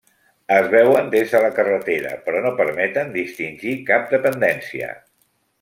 Es veuen des de la carretera però no permeten distingir cap dependència.